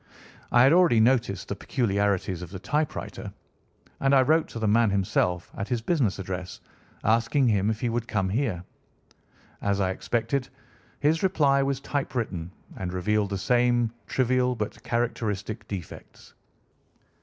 I had already noticed the peculiarities of the typewriter, and I wrote to the man himself at his business address asking him if he would come here. As I expected, his reply was typewritten and revealed the same trivial but characteristic defects.